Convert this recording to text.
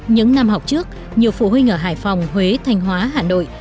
những năm học trước nhiều phụ huynh ở hải phòng huế thanh hóa hà nội